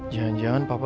jangan jangan papa bisa